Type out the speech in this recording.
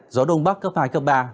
gió đông bắc cấp hai cấp ba